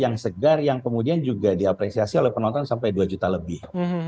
yang segar yang kemudian juga diapresiasi oleh penonton sampai dua juta lebih